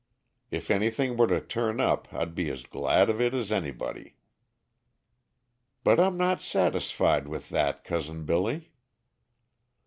If anything were to turn up I'd be as glad of it as anybody." "But I'm not satisfied with that, Cousin Billy."